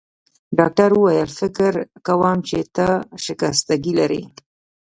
ډاکټر وویل: فکر کوم چي ته شکستګي لرې.